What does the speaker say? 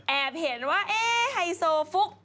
แอบเห็นว่าเอ๊ะไฮโซฟุ็ค